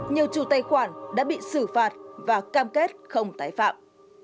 nhiều chủ tài khoản đã bị xử phạt và cam kết không tái phạm